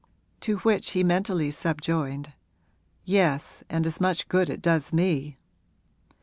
To which he mentally subjoined, 'Yes, and as much good it does me!'